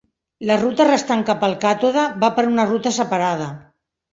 La ruta restant cap al càtode va per una ruta separada.